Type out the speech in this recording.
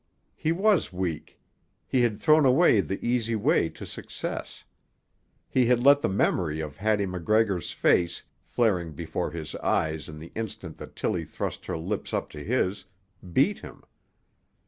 He was weak; he had thrown away the easy way to success; he had let the memory of Hattie MacGregor's face, flaring before his eyes in the instant that Tillie thrust her lips up to his, beat him.